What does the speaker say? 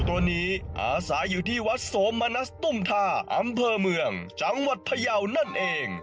ตัวนี้อาศัยอยู่ที่วัดโสมนัสตุ้มท่าอำเภอเมืองจังหวัดพยาวนั่นเอง